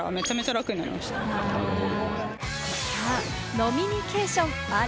飲みニケーション、あり？